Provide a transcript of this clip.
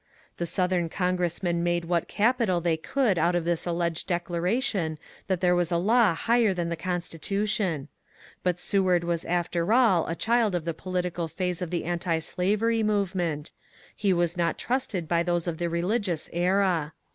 The Southern congressmen made what capital they could out of this alleged declaration that there was a law higher than the Constitution. But Seward was after all a child of the political phase of the antislavery movement; he was not trusted by those of the religious era.